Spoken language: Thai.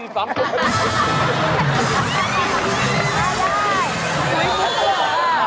ไม่พูดตัวล่ะ